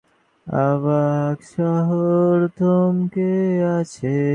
রঘুপতি তীব্রদৃষ্টিতে নক্ষত্ররায়ের প্রতি কটাক্ষপাত করিলেন।